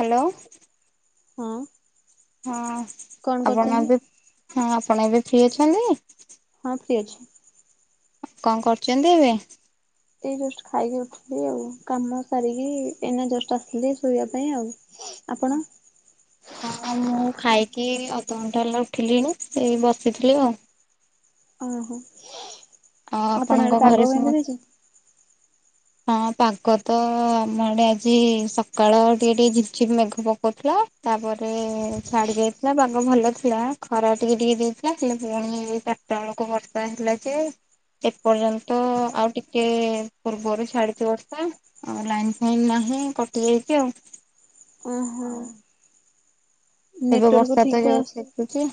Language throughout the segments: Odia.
ହ୍ୟାଲୋ। ହଁ। ହଁ କଣ ଆପଣ କରୁଛନ୍ତି? ଏବେ ହଁ ଆପଣ ଏବେ ଫ୍ରି ଅଛନ୍ତି। ହଁ ଫ୍ରି ଅଛି। କଣ କରୁଛନ୍ତି ଏବେ। ଏଇ ଜଷ୍ଟ ଖାଇକି ଉଠିଚି ଆଉ କାମ ସାରିକି ଏଇନା ଜଷ୍ଟ ଆସଥିଲି ଶୋଇବା ପାଇଁ ଆଉ। ଆପଣ? ଓ ହଁ ମୁଁ ଖାଇକି। ଘଣ୍ଟେ ହେଲା ଉଠିଲିଣି ଏଇ ବସିଥିଲି ଆଉ। ଓହୋ ଆଉ ଆପଣ ଆଡେ ଆପଣଙ୍କ ଘରେ ପାଗ କେମିତି ସମସ୍ତେ ଦେଇଚି। ହଁ ପାଗ ତ ଆମ ଆଡେ ଆଜି ସକାଳ ଟିକେ ଟିକେ ଝିପ୍ ଝିପ୍ ମେଘ ପକଉଥିଲା। ତାପରେ ଛାଡି ଯାଇଥିଲା ପାଗ ଭଲ ଥିଲା ଖରା ଟିକେ ଟିକେ ଦେଇଥିଲା ହେଲେ ପୁଣି ହେଇ। ଚାରିଟା ବେଳକୁ ବର୍ଷା ହେଲା ଯେ ଏ ପର୍ଯ୍ୟନ୍ତ ଆଉ ଟିକେ ପୂର୍ବରୁ। ଛାଡିଚି ବର୍ଷା ଆଉ ଲାଇନ ଫାଇନ୍ ନାହିଁ କଟି ଯାଇଚି ଆଉ। ଓହୋ। ଏବେ ନେଟୱାର୍କ ବର୍ଷା ଠିକ ତ ଠାକ୍ ଇଆଡେ ଆସୁ ଛେଚୁଚି।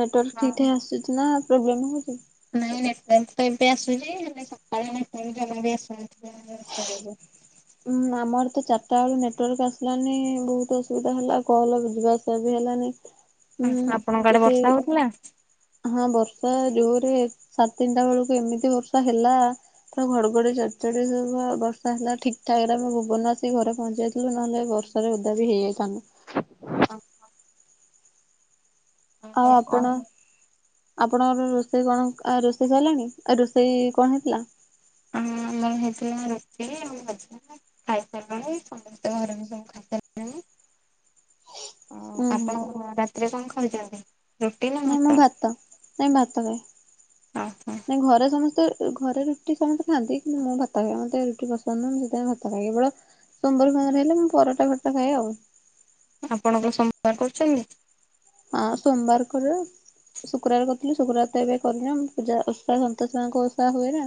ନେଟୱାର୍କ ଠିକ୍ ଠାକ ଆସୁଛି ନା ପ୍ରୋବ୍ଲେମ ହଉଛି। ନାଇଁ ନେଟୱାର୍କ ତ ଏବେ ଆସୁଚି ହେଲେ ନେଟୱର୍କ ସକାଳେ ନେଟ୍ୱାର୍କ ଜମାବି ଆସୁ ନଥିଲା। [inaudible] ଉଁ ଆମର ତ ଚାରିଟା ବେଳୁ ନେଟୱାର୍କ ଆସିଲାନି ବହୁତ ଅସୁବିଧା ହେଲା କଲ ବୁ ଯିବା ଆସିବା ବି ହେଲା। ିଲ ନାଇ [unintelligible] ଆପଣଙ୍କ ଆଡେ ବର୍ଷା ହଉଥିଲା? ହଁ ବର୍ଷା ଜୋରେ ସାଢ଼େ ତିନିଟା ବେଳକୁ ଏମିତି ବର୍ଷା ହେଲା ପୁରା ଘଡଘଡି ଚାଲିଛି। ସେତେବେଳେ ସବୁ ବର୍ଷା ହେଲା ଠିକ ଠାକରେ ଆମେ ଭୁବନ ଆସି ଘରେ ପହଞ୍ଚାଇଥିଲୁ ନହେଲେ ବର୍ଷାରେ ଓଦା ବି ହେଇଯାଇଥାନ୍ତୁ। [inaudible] ଓହ। ଆଉ ଆପଣ? ଆପଣଙ୍କର ରୋଷେଇ କଣ ରୋଷେଇ ସରିଲାଣି ରୋଷେଇ କଣ ହେଇଥିଲା? ହୁଁ। ଆମର ହେଇଥିଲା ରୁଟି ଆମ ଭଜା ଖାଇସାରିଲାଣି ସମସ୍ତେ ଘର ବି ସବୁ ଖାଇସାରିଲାଣି। ଉୁଁ ହ ହୁଁ ଆପଣ ରାତିରେ କଣ ଖାଉଛନ୍ତି? ରୁଟି ନା ନାଇଁ ମୁଁ ଭାତ ନାଇଁ ଭାତଖାଏ ଓହୋ ନାଇଁ ଘରେ ସମସ୍ତେ ଘରେ ରୁଟି ସମସ୍ତେ ଖାଆନ୍ତି କିନ୍ତୁ ମୁଁ ଭାତ ଖାଏ ମୋତେ ରୁଟି ପସନ୍ଦୁନୁହଁ ମୁଁ ସେଥିପାଇଁ ଭାତ ଖାଏ କେବଳ ସୋମବାର ହେଲେ ମୁଁ ପରଟା ଫରଟା ଖାଏ ଆଉ। ଆପଣଙ୍କ ସୋମବାର କରୁଛନ୍ତି? ହଁ ସୋମବାର କରେ ଶୁକ୍ରବାର କଥା ଶୁକ୍ରବାର ଏବେ କରିନ ପୂଜା ସନ୍ତୋଷି ମାନଙ୍କ ଓଷା ହୁଏ ନା।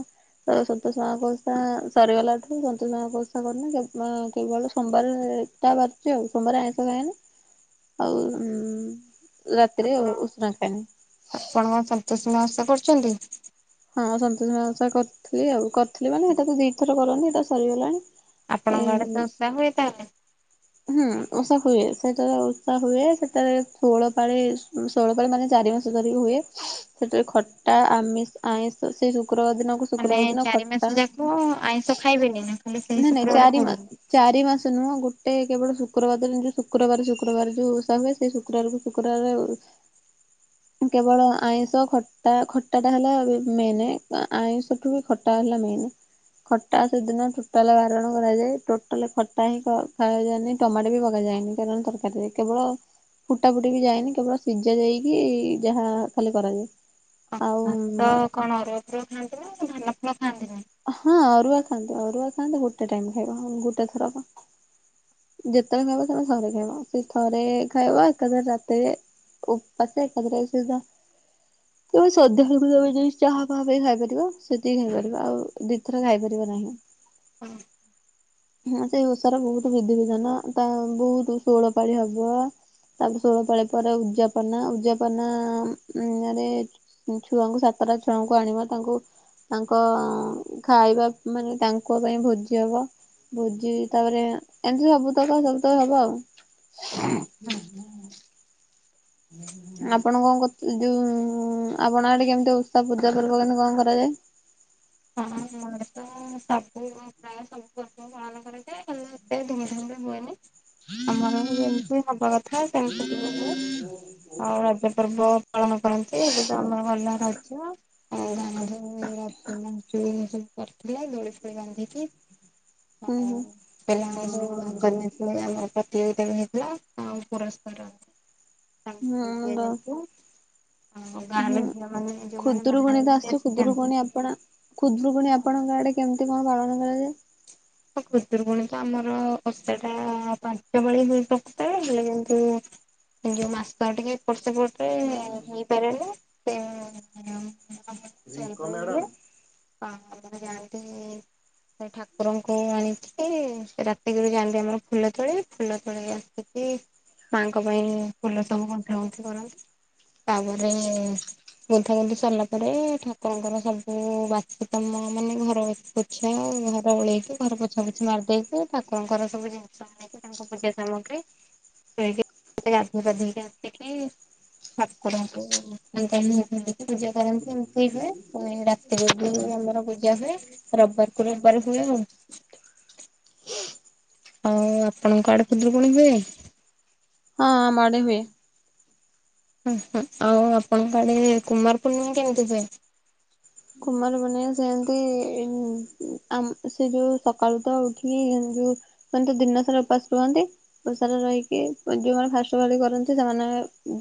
ତ ସନ୍ତୋଷି ମାଙ୍କ ଓଷା ସରିଗଲାଠୁ ସନ୍ତୋଷି ମାଙ୍କ ଓଷା କରୁନି କେବଳ ସୋମବାର ଏଟା ବାରୁଛି ଆଉ ସୋମବାର ଆଇଁଷ ଖାଏନି ଆଉ ଉଁ। ଆପଣ ଆପଣ ସନ୍ତୋଷୀ ମା ଓଷା କରୁଛନ୍ତି? ହଁ ସନ୍ତୋଷୀ ମା ଓସା କରିଥିଲି ଆଉ କରିଥିଲି ମାନେ ତାକୁ ଦି ଥର କରନ୍ତି ଏଇଟା ସରିଗଲାଣି। ଆପଣଙ୍କ ଆଡେ ଏଇ ତ ଓଷା ହୁଏ ତାହେଲେ। ହୁଁ ଓଷା ହୁଏ ସେତେବେଳେ ଓଷା ହୁଏ ସେତେବେଳେ ଷୋଳପାଳି ଉଁ ଷୋଳପାଳି ମାନେ ଯା ଚାରି ମାସ ଧରି ହୁଏ ସେଥିରେ ଖଟା ଆମିଷ ଆଇଁଷ ସେଇ ଶୁକ୍ରବାର ଦିନକୁ ମାନେ ଶୁକ୍ରବାର ଦିନ ଚାରି ମାସ ଖଟା। ଯାକ ଆଇଁଷ ଖାଇବେନି ନା ଖାଲି ସେଇ ନାଇଁ ନାଇଁ ଶୁକ୍ରବାର ଚାରି ଖାଇବେନି? ମାସ ଚାରି ମାସ ନୁହଁ ଗୋଟେ କେବଳ ଶୁକ୍ରବାର ଦିନ ଯଉ ଶୁକ୍ରବାର ଶୁକ୍ରବାର ଯୋଉ ଓଷା ହୁଏ ସେଇ ଶୁକ୍ରବାରକୁ ଶୁକ୍ରବାର [inaudible] କେବଳ ଆଇଁଷ ଖଟା ଖଟାଟା ହେଲା ଏବେ ମେନେ ଆ-ଆଇଁଷଠୁ ଖଟା ହେଲା ମେନେ। ଖଟା ସେଦିନ ଠୁ ଟୋଟାଲ ବାରଣ କରାଯାଏ ଟୋଟାଲ ଖଟା ହିଁ ଖ ଖାଏ ଯାଏନି ଟମାଟୋ ବି ପକାଯାଏନି କାରଣ ତରକାରୀରେ କେବ କେବଳ ଫୁଟା ଫୁଟି ବି ଯାଏନି କେବଳ ସିଝା ଯାଇକି ଯାହା ଖାଲି କରାଯାଏ। ଆଉ ଭାତ କଣ ଅରୁଆ ଭାତ ଖାଆନ୍ତି ନା ଧାନ ଫଳ ଖାଆନ୍ତି ନା ହଁ ଅରୁଆ ଖାଆନ୍ତି ଅରୁଆ ଖାଆନ୍ତି ଗୋଟେ ଟାଇମ ଖାଇବ ଗୋଟେ ଥର କ। ଯେତେବେଳେ ଖାଇବ ତମେ ଥରେ ଖାଇବ ସେଇ ଥରେ ଖାଇବ ଏକା ଥରେ ରାତିରେ। ଓପାସେ ଏକଥରକେ ସେଇଟା। କେ ସନ୍ଧ୍ୟା ବେଳକୁ ଯାଉଚି ଚାହା ଫାହା କରି ଖାଇପାରିବ ସେତିକି ଖାଇପାରିବ ଆଉ ଦିଥର ଖାଇପାରିବ ନାହିଁ। ହଁ। ହଁ ସେଇ ଓଷାର ବହୁତ ବିଧି ବିଧାନ ତା ବହୁତ ଷୋଳ ପାଳି ହବ। ତାପରେ ଷୋହଳ ପାଳି ପରେ ଉଯାପନା ଉଯାପନା ଉଁ ରେ ଉଁ ଛୁଆଙ୍କୁ ଷା ସାତ ଟା ଛୁଆଙ୍କୁ ଆଣିବ ତାଙ୍କୁ। ତାଙ୍କ ଖାଇବା ମାନେ ତାଙ୍କ ପାଇଁ ଭୋଜି ହବ। ଭୋଜି ତାପରେ ଏମିତି ସବୁ ତକ ସବୁ ତକ ହବ ଆଉ। ହଁ ହଁ [unintelligible] ଆପଣ କଣ କ ଯୋଉ ଆପଣ ଆଡେ କେମିତି ଓଷା ପୂଜା ପର୍ବ କେମିତି କଣ କରାଯାଏ [inaudible] ହଁ ଆମ ଆଡେ ତ। ସବୁ ପ୍ରାୟ ସବୁ ପର୍ବ ପାଳନ କରାଯାଏ ହେଲେ ଏତେ ଧୁମ୍ ଧାମରେ ହୁଏନି। ଆମର ଯେମିତି ହବା କଥା ସେମିତି ଟିକେ ହୁଏ। ଆଉ ରଜ ପର୍ବ ପାଳନ କରନ୍ତି ଏବେ ତ ଆମର ଗଲା ରଜ। ଆଉ ଆମର ଏୟା ସେମାନେ ଦୋଳି ଏସବୁ କରିଥିଲେ ଦୋଳି ଫୋଳି ବାନ୍ଧିକି। ହୁଁ ହଁ ପିଲାଙ୍କୁ ଭାଗ ନେଇଥିଲେ ଆମ ପ ତି ଏଇଟା ବି ହେଇଥିଲା ଆଉ ପୁରସ୍କାର ହୁଁ ତାଙ୍କୁ ହୁଁ ତ ଦିଆଯାଉଥିଲା। ଆଉ ଗାଁର ହୁଁ ଝିଅ ମାନେ ଯୋଉମାନେ ବାହା ଖୁଦୁରୁକୁଣି ତ ହେଇକି ଆସୁଛି ଆସିଛନ୍ତି ଖୁଦରୁକୁଣି ଆପଣ। ଖୁଦୁରୁକୁଣୀ ଆପଣଙ୍କ ଆଡେ କେମିତି କଣ ପାଳନ କରା ଯାଏ? ଓଷାଟା ପାଞ୍ଚ ପାଳି ହୁଏ ପ୍ରତି ପାଳି ହେଲେ କିନ୍ତୁ। ଏ ଯୋଉ ମାସ ଟିକେ ଏପଟ ସେପଟ ମାମୁନ ଦିଦି। [unintelligible] ଚୋରି ଫୋରି ହୁଏ। ହଁ ଆପଣ ଯାଆନ୍ତି ସେ ଠାକୁର ଙ୍କୁ ଆଣିକି ରାତିକୁ ବି ଯାଆନ୍ତି ଆମର ଫୁଲ ତୋଳି ଫୁଲ ତୋଳିକି ଆସିକି। ମାଙ୍କ ପାଇଁ ଫୁଲ ସବୁ ଗୁନ୍ଥା ଗୁନ୍ଥି କରନ୍ତି। ତାପରେ ଗୁନ୍ଥା ଗୁନ୍ଥି ସରିଲା ପରେ ଠାକୁରଙ୍କର ସବୁ ବାସିକାମ ହଁ ମାନେ ଘର ପୋଛା ଘର ଓଳେଇକି ଘର ପୋଛା ପୋଛି ମାରିଦେଇକି। ଠାକୁରଙ୍କର ସବୁ ଜିନିଷ ନେଇକି ତାଙ୍କ ପୂଜା ସାମଗ୍ରୀ। ଏଇକି ଗାଧେଇ ପାଧେଇକି ଆସିକି ଠାକୁରଙ୍କୁ ଜିନିଷ ନିଏ ଏମିତି ପୂଜା କରନ୍ତି ଏମିତି ହୁଏ ପୁଣି ରାତିରେ ବି ଆମର ପୂଜା ହୁଏ ରବିବାର କୁ ରବିବା ଖାଇ [unintelligible] ହଉ ଆପଣଙ୍କ ଆଡ଼େ କୁଦୁରୁକୁଣୀ ହୁଏ। ହଁ ଆମ ଆଡେ ହୁଏ। ହୁଁ ହୁ ଆଉ ଆପଣଙ୍କ ଆଡେ କୁମାର ପୂର୍ଣ୍ଣିମା କେମିତି ହୁଏ। କୁମାର ପୂର୍ଣ୍ଣିମା ସେମିତି ସେ ଯୋଉ ସକାଳୁ ତ ଉଠିକି ଦିନ ସାରା ଉପାସ ରୁହନ୍ତି ଦିନ ସାରା ରହିକି ଯୋଉମାନେ ଫାଷ୍ଟ୍ ପାଳି କରନ୍ତି ସେମାନେ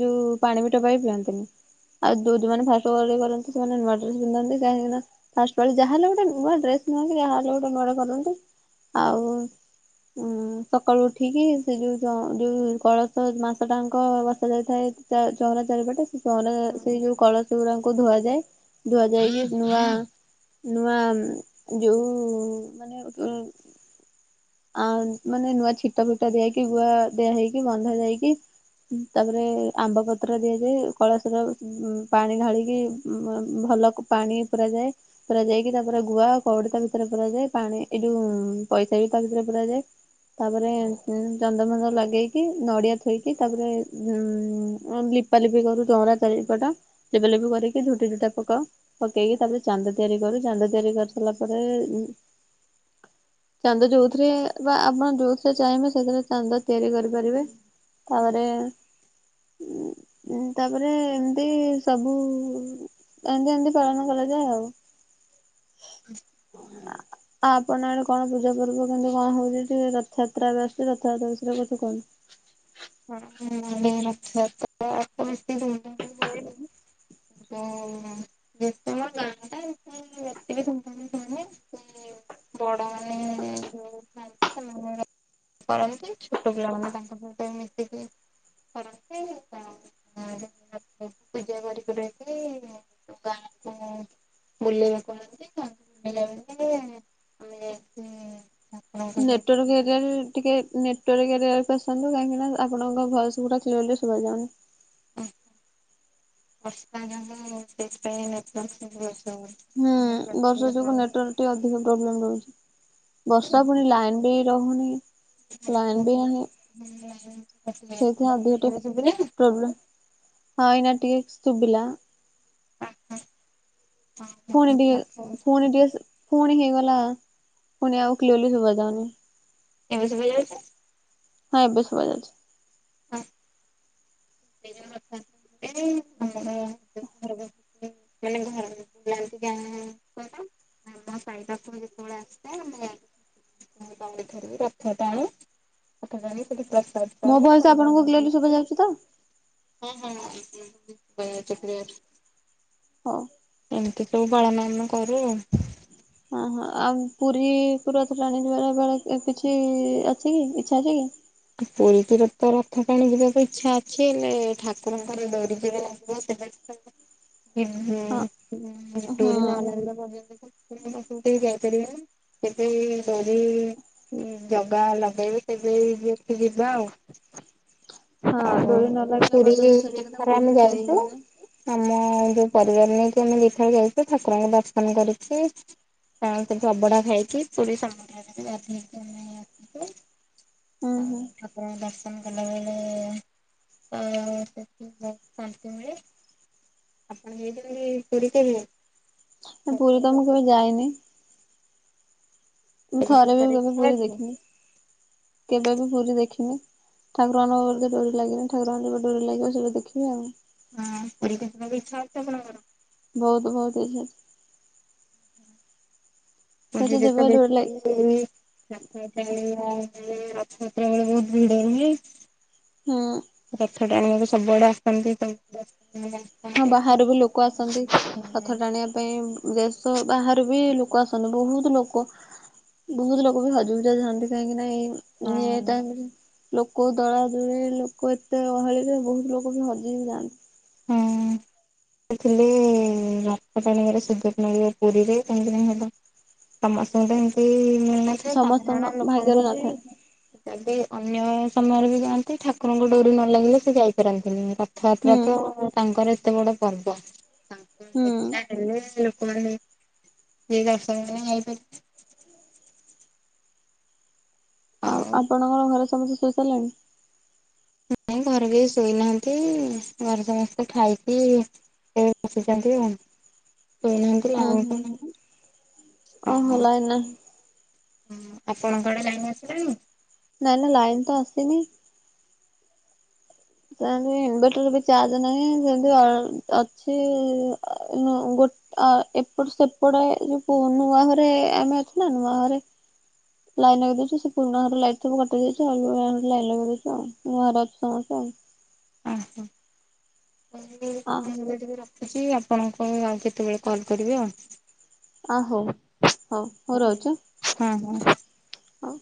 ଯୋଉ ପାଣି ବି ଟବାାଇକ ପିଅନ୍ତିନି ଆଉ ଯୋଉ ଯଉମାନେ ଫାଷ୍ଟ୍ କରନ୍ତି ସେମାନେ ନୂଆ ଡ୍ରେସ୍ ପିଧନ୍ତି କାହିଁକି ଫାଷ୍ଟ ପାଳି ଯାହା ହେଲେ ବି ଗୋଟେ ନୂଆ ଡ୍ରେସ ନୁଆଁ ଯାଲେ ଗୋଟେ ନୂଆ କରନ୍ତି। ଆଉ ଉଁ ସକାଳୁ ଉଠିକି ସେ ଯୋଉ ଯୋଉ କଳସ ମାସ ଟାଙ୍କ ବସା ଯାଇଥାଏ। ଚହନା ଚାରିପଟେ ସେ ଚହନା ସେଇ ଯୋଉ କଳସ ଗୁଡାଙ୍କୁ ଧୁଆଯାଏ। ଧୁଆ ଯାଇ ନୂଆ ନୂଆ ଯୋଉ ମାନେ। ଆ ମାନେ ନୂଆ ଛିଟା ଫିଟ ଦିଆକି ଗୁଆ ଦିଆ ହେଇକି ବନ୍ଧା ଯାଇକି ତାପରେ ଆମ୍ବ ପତ୍ର ଦିଆଯାଏ କଳସର ଉଁ-ଉଁ-ପାଣି ଢ଼ାଳିକି ଉଁ ବ। ଭଲ କ- ପାଣି ପୁରା ଯାଏ ପୁରା ଯାଇକି ତାପରେ ଗୁଆ କଉଡ଼ି ଭିତରେ ପୁରା ଯାଏ ପାଣି ଏଇଯୋଉ ପଇସା ବି ତା ଭିତରେ ପୁରା ଯାଏ। ତାପରେ ଚନ୍ଦ୍ରମା ଲଗେଇକି ନଡିଆ ଥୋଇକି ତାପରେ ଉଁଁଁଁଁଁ ଲିପା ଲଲିପି କରୁ ଚଉଁରା ଚାରିପଟ ଲିପା ଲପୁ କରିକି ଝୋଟିଝୋଟା ପକେଇକି ତାପରେ ଚାନ୍ଦ ତିଆରି। ରୁ ଚାନ୍ଦ ତିଆରି କରିସାରିଲା ପରେ ହ ଚାନ୍ଦ ଯୋଉଥିରେ ବା ଆପଣ ଯୋଉଥିରେ ଚାହିଁବେ ସେଥିରେ ଚାନ୍ଦ ତିଆରି କରିପାରିବେ। ତାପରେ ଏଁ ଉଁ ତାପରେ ଏମିତି ସବୁ ଏମିତି ଏମିତି ପାଳନ କରାଯାଏ ଆଉ। ଆ ଆପଣ ଆଡେ କଣ ପୂଜା ପର୍ବ। ନ୍ତୁ କଣ ହଉଛି ଟିକେ ରଥଯାତ୍ରାବେ ଆସୁଛି ରଥଯାତ୍ରାଷୟରେ କଛି କୁହନ୍ତୁ। [unintelligible] [inaudible] ଯେ ଗାଁ ଟା [inaudible] ଏତେ ବିତାାନ [inaudible] ାନ ସେ ବଡ଼ ମାନେ [unintelligible] କରନ୍ତି, ଛୋଟ ପିଲାମାନେ ତାଙ୍କ ସହିତ ମିଶିକି କରନ୍ତି। ତ ହଁ ପୂଜା କରିକି ରହିଛି ଗାଁ [unintelligible] ବୁଲେଇବାକୁଆଣନ୍ତି । [unintelligible] ଆମେ ହୁଁ ନେଟୱାର୍କ ହେ କେ ଟିକେ ନେଟ [unintelligible] ଆସନ୍ତୁ କାହିଁକିନା ଆପଣଙ୍କ ଭଏସ କ୍ଲିୟର ଶୁଭା ଯାଉନି। [unintelligible] ହୁଁ ବର୍ଷା ଯୋଗୁ ହଉଛି। ନେଟୱାର୍କ ଟା ଅଧିକ ପ୍ରୋବ୍ଲେମ ରହୁଛି। ବର୍ଷା ପୁଣି ଲାଇନ ବି ରହୁନି। ଲାଇନ ବି ନାହିଁ ସେଇଥିପାଇଁ [unintelligible] ଅଧିକ ଟିକେ ଏବେ ଶୁଭିଲା । ପ୍ରୋବ୍ଲେମ। ହଁ ଏଇନା ଟିକେ ଶୁଭିଲା। [inaudible] ଫୋଣି ଟିକେ ଫୋଣି ଟିକେ ଫୋଣି ହେଇଗଲା। ଲା ପୁଣି ଆଉ କ୍ଲିଆର୍ଲି ଶୁବା ଯାଉନି। ଏବେ ଶୁବାଯାଉଛି। ହଁ ଏବେ ଶୁଭାଯାଉଛି। ହ। [unintelligible] [unintelligible] [unintelligible] ଏଇଠାରେ ବି ରଥ ଟାଣେ। ରଥ ଟାଣିକି ସେଠି ପ୍ର ମୋ ଭଏସ ଆପଣଙ୍କୁ କ୍ଲିଅର୍ଲି ଶୁଭା ଯାଉଛି ତ? ହଁ ହଁ ହୁଁ ହୁଁ। ଶୁଭା ଯାଉଛି କ୍ଳିଅର୍। ହଉ ଏମତି ସବୁ ପାଳନ ଆମେ କରୁ ଆଉ। ଓହୋ। ଆଉ ପୁରୀକୁ ରଥଟାଣି ଯିବାର ବେଳ କିଛି ଅଛି କି ଇଚ୍ଛା ଅଛି କି? ପୁରୀ ତ ରଥର ରଥ ଟାଣି ଯିବାକୁ ଇଚ୍ଛା ଅଛି ।ହେଲେ ଠାକୁରଙ୍କର ଡୋରି ଯେବେ ଲାଗିବ ସେବ ସେବେ ଯିବା। ହିବ ହଁ ହୁଁଁ ହଁ ଡୋରି ନ ଲାଗିଲା ପର୍ଯ୍ୟନ୍ତ ତ ଠାକୁରଙ୍କ ପାଖକୁ ଟିକେ ଯାଇ ପାରିବା। ଯେବେ ଡୋରି ଜଗା ଲଗେଇବେ, ସେବେ ଇଏ ଯିବାକୁ ଯିବା ଆଉ। ହଁ ଡୋରି ନ ଆଉ ଲାଗିଲା ପୁରୀ ପର୍ଯ୍ୟନ୍ତ ସେଠିକି ତ ଥରେ ଆମେ ପୁରୀକୁ ଯାଇ ଯାଇଚୁ, ହୁଏନା ଆମ ଯୋଉ ପରିବାର ନେଇକି ଆମେ ଦିଥର ଯାଇଛୁ। ଠାକୁରଙ୍କୁ ଦର୍ଶନ କରିକି ତା କିନ୍ତୁ ଅବଢା ଖାଇକି, ପୁରୀ ସମୁଦ୍ରରେ ବି ଗାଧେଇକି ଆମେ ଆସିଲୁ। ହୁଁ ହୁଁ ହଉ। ଆପଣ ଦର୍ଶନ କଲାବେଳେ [unintelligible] ଶାନ୍ତି ମିଳେ। ଆପଣ ଯାଇଛନ୍ତି କେବେ ପୁରୀ କେବେ? ପୁରୀ ତ ମୁଁ କେବେ ଯାଇନି। ମୁଁ ଏବେ ଥରେ ବି ଯିବାର କେବେ ଇଚ୍ଛା ପୁରୀ ଅଛି? ଦେଖିନି? କେବେ ବି ପୁରୀ ଦେଖିନି ଠାକୁରଙ୍କର ଯଦି ଡୋରି ଲାଗିବନି, ଠାକୁରଙ୍କର ଯେବେ ଡୋରି ଲାଗିବ ସେବେ ଦେଖିବେ ଆଉ। ହଁ ପୁରୀକୁ ଯିବାକୁ ଇଚ୍ଛା ହଉଛି ଆପଣଙ୍କର? ବହୁତ ବହୁତ ଇଚ୍ଛା। ସେଇଠି ପୁରୀରେ ତ ଯେବେ ଡୋରି ଲାଗି ବେଶୀ [unintelligible] ଏ ରଥଯାତ୍ରା ବେଳେ ବହୁତ ଭିଡ ହୁଏ। ହୁଁ ରଥ ଟାଣିବାରେ ସବୁଆଡେ ଆସନ୍ତି ତ [unintelligible] ହଁ ବାହାରୁ ବି ଲୋକ ଆସନ୍ତି, ରଥ ଟାଣିବା ପାଇଁ ଯେ ସୋ ବାହାରୁ ବି ଲୋକ ଆସନ୍ତି, ବହୁତ ଲୋକ। ବହୁତ ଲୋକ ବି ହଜି ହୁଜା ଯାଆନ୍ତି। କାହିଁକି ନା ଏଇ ଏ ଟାଇମି ଲୋକ ଦଳା ଦୁଳି, ଲୋକ ଏତେ ଗହଳିରେ, ବହୁତ ଲୋକ ବି ହଜି ବିି ଯାଆନ୍ତି। ହୁଁ। ସେ ଥିଲେ ରଥ ଟାଣିବାରେ [unintelligible] ପୁରୀରେ, କାହିଁକିନା ହେବ ସମସ୍ତଙ୍କୁ ତ ଏମତି ମିଳିନଥାଏ, ସମସ୍ତଙ୍କ ସାଧାରଣ ଭାଗ୍ୟରେ ଲୋକଙ୍କୁ ବି ନଥାଏ ଯଦି ଅନ୍ୟ ସମୟରେ ବି ଯାଆନ୍ତି, ଠାକୁରଙ୍କ ଡୋରି ନ ଲାଗିଲେ ସେ ଯାଇପାରନ୍ତିନି। ହୁଁ ରଥଯାତ୍ରା ତ ତାଙ୍କର ଏତେ ବଡ ପର୍ବ। ତାଙ୍କର ହୁଁ। ଦେଖାହେଲେ ଲୋ [unintelligible] ଯିଏ ଦର୍ଶନ ପାଇଁ ଯାଇପାରିବେ। ଆଉ ଆପଣଙ୍କର ଘରେ ସମସ୍ତେ ଶୋଇ ସାରିଲେଣି? ନାଇଁ ଘରେ କେହି ଶୋଇନାହାଁନ୍ତି, ଘରେ ସମସ୍ତେ ଖାଇକି ଏଇଠି ବସିଛନ୍ତି ଆଉ। ଶୋଇନାହାଁନ୍ତି ହୁଁ ଲାଇନ୍ ତ ହୁଁ ନାହିଁ। ଓହୋ ହଁ। ଲାଇନ ନାହିଁ ହୁଁ। ଆପଣଙ୍କ ଆଡେ ଲାଇନ୍ ଆସିଲାଣିି? ନାଇଁ ନା ଲାଇନ ତ ଆସିନି। ସେନ୍ତି ଇନଭଟର ବି ଚାର୍ଜ ନାହିଁ, ଯେମତି ଅ-ଅଛି ଅ ନୁଅ ଗୋ ଆ ଏପଟ ସେପଟେ ଯୋଉ ନୂଆ ଘରେ ଆମେ ଅଛୁ ନା, ନୂଆ ଘରେ ଲାଇନ ଲଗେଇଦେଇଛୁ, ସେ ପୁରୁଣା ଘର ଲାଇଟ ସବୁ କଟି ଯାଇଛି। ଆଉ ନୂଆ ଘରେ ଲାଇନ ଲଗେଇଦେଇଛୁ ଆଉ। ନୂଆ ଘରେ ଅଛୁ ସମସ୍ତେ ଆଉ। [inaudible] ଆ ହୋ। [unintelligible] ଆ ଅଛି, ଆପଣଙ୍କୁ ଆଉ କେତେବେଳେ କଲ୍ କରିବି ଆଉ। ଓ ହଉ। ହଉ ହଉ ରହୁଛୁ ହ ହଁ ହଁ। ହଉ।